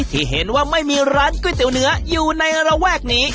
ที่เห็นว่าไม่มีร้านก๋วยเตี๋ยวเนื้ออยู่ในระแวกนี้